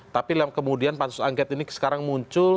tapi kemudian pansus angket ini sekarang muncul